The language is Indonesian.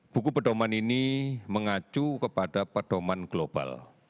buku pedoman ini mengacu kepada pedoman global